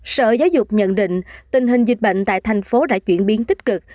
sở giáo dục nhận định tình hình dịch bệnh tại tp hcm đã chuyển biến tích cực